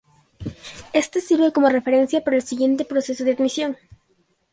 Este sirve como referencia para el siguiente proceso de admisión.